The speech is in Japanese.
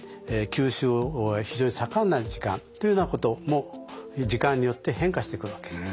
吸収は非常に盛んな時間というようなことも時間によって変化してくるわけです。